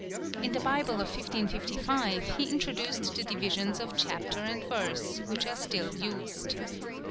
In the Bible of 1555 he introduced the divisions of chapter and verse, which are still used.